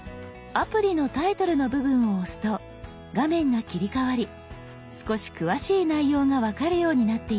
アプリのタイトルの部分を押すと画面が切り替わり少し詳しい内容が分かるようになっています。